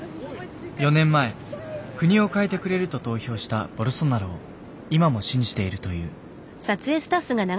４年前国を変えてくれると投票したボルソナロを今も信じているという。